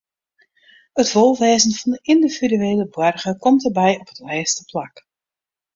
It wolwêzen fan de yndividuele boarger komt dêrby op it lêste plak.